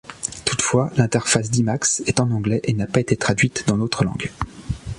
Toutefois, l'interface d'Emacs est en anglais et n'a pas été traduite dans d'autres langues.